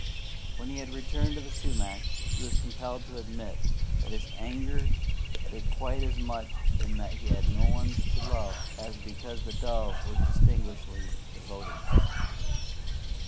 When he had returned to the sumac, he was compelled to admit that his anger lay quite as much in that he had no one to love as because the dove was disgustingly devoted.